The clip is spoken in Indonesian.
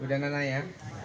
udah nanai ya